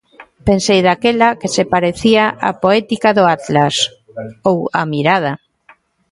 Pensei daquela que se parecía á poética do Atlas, ou á mirada.